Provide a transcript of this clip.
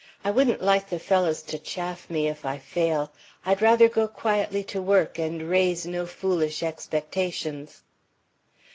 I wouldn't like the fellows to chaff me if I fail; I'd rather go quietly to work and raise no foolish expectations."